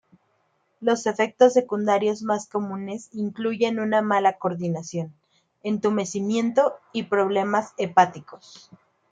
Los efectos secundarios más comunes incluyen una mala coordinación, entumecimiento y problemas hepáticos.